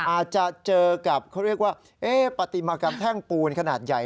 อาจจะเจอกับเขาเรียกว่าปฏิมากรรมแท่งปูนขนาดใหญ่